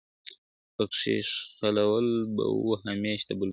پکښی شخول به وو همېش د بلبلانو`